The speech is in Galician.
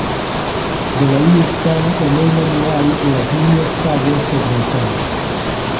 Velaí están o meu manual e as miñas táboas sobre o tema.